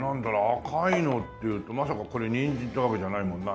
赤いのっていうとまさかこれニンジンってわけじゃないもんな。